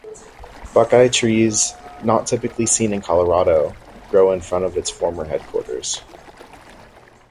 Buckeye trees, not typically seen in Colorado, grow in front of its former headquarters.